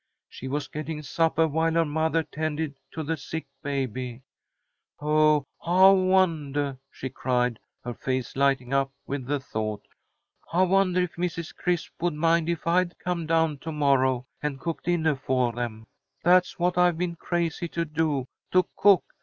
She was getting suppah while her mothah tended to the sick baby. Oh, I wondah," she cried, her face lighting up with the thought. "I wondah if Mrs. Crisp would mind if I'd come down to morrow and cook dinnah for them. That's what I've been crazy to do, to cook.